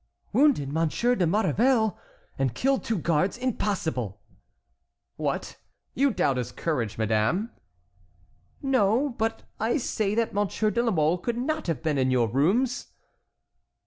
"Wounded Monsieur de Maurevel and killed two guards!—impossible!" "What! You doubt his courage, madame?" "No, but I say that Monsieur de la Mole could not have been in your rooms."